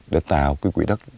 để tạo cái quỹ đất